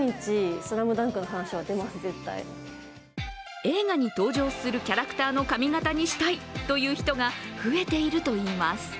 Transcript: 映画に登場するキャラクターの髪形にしたいという人が増えているといいます。